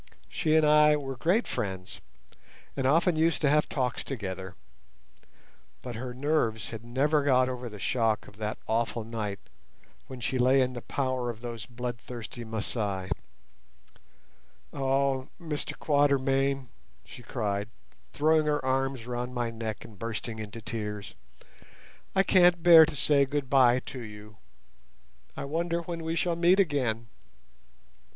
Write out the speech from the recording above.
She and I were great friends, and often used to have talks together—but her nerves had never got over the shock of that awful night when she lay in the power of those bloodthirsty Masai. "Oh, Mr Quatermain," she cried, throwing her arms round my neck and bursting into tears, "I can't bear to say goodbye to you. I wonder when we shall meet again?"